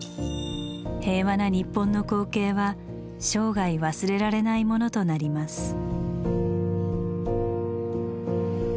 平和な日本の光景は生涯忘れられないものとなります。